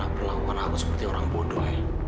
jangan berapa lakukan aku seperti orang bodoh ya